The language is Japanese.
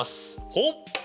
ほっ！